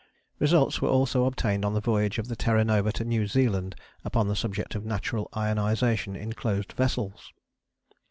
Results were also obtained on the voyage of the Terra Nova to New Zealand upon the subject of natural ionization in closed vessels.